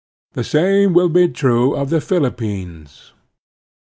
The same will be true of the Philippines.